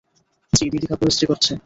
জি, দিদি কাপড় ইস্ত্রি করছে।